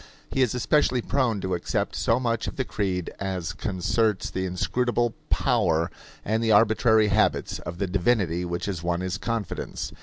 He is especially prone to accept so much of the creed as concerts the inscrutable power and the arbitrary habits of the divinity which has won his confidence.